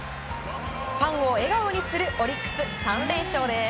ファンを笑顔にするオリックス、３連勝です。